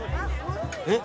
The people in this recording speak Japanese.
えっ？